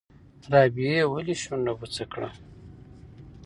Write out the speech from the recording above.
رابعې ولې شونډه بوڅه کړه؟